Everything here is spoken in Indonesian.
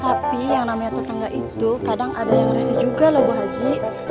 tapi yang namanya tetangga itu kadang ada yang resi juga loh buat haji